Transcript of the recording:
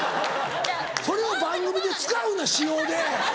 それを番組で使うな私用で！